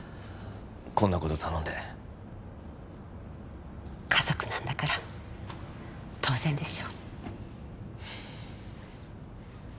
こんなこと頼んで家族なんだから当然でしょ